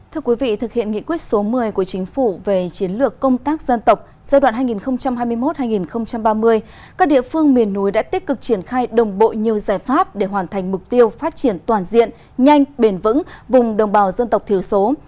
thưa quý vị thực hiện nghị quyết số một mươi của chính phủ về chiến lược công tác dân tộc giai đoạn hai nghìn hai mươi một hai nghìn ba mươi các địa phương miền núi đã tích cực triển khai đồng bộ nhiều giải pháp để hoàn thành mục tiêu phát triển toàn diện nhanh bền vững vùng đồng bào dân tộc thiểu số